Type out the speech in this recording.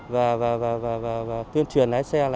và tuyên truyền lái xe